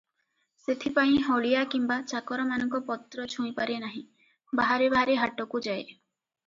ସେଥିପାଇଁ ହଳିଆ କିମ୍ବା ଚାକରମାନଙ୍କ ପତ୍ର ଛୁଇଁପାରେ ନାହିଁ, ବାହାରେ ବାହାରେ ହାଟକୁଯାଏ ।